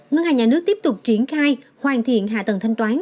ngân hàng nhà nước tiếp tục triển khai hoàn thiện hạ tầng thanh toán